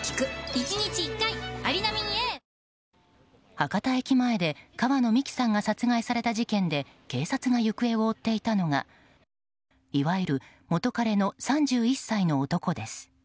博多駅前で川野美樹さんが殺害された事件で警察が行方を追っていたのがいわゆる元カレの３１歳の男です。